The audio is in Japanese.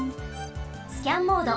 スキャンモード。